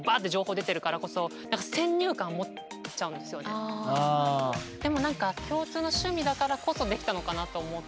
最初でもなんか共通の趣味だからこそできたのかなと思ってて。